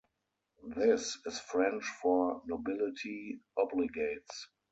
This is French for "nobility obligates".